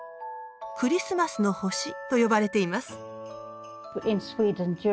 「クリスマスの星」と呼ばれています。